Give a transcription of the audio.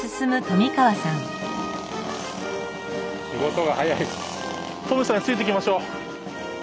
トミさんについていきましょう。